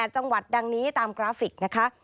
จังหวัดดังนี้ตามกราฟิกนะคะ